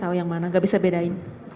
tidak tahu yang mana tidak bisa bedain